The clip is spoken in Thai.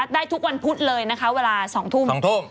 ได้ทุกวันพุธเลยเวลา๒ทุ่ม